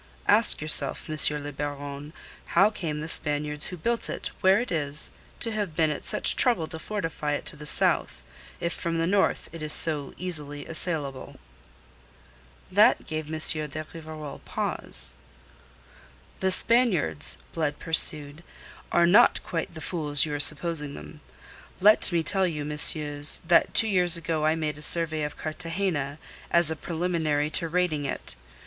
Ask yourself, M. le Baron, how came the Spaniards who built it where it is to have been at such trouble to fortify it to the south, if from the north it is so easily assailable." That gave M. de Rivarol pause. "The Spaniards," Blood pursued, "are not quite the fools you are supposing them. Let me tell you, messieurs, that two years ago I made a survey of Cartagena as a preliminary to raiding it.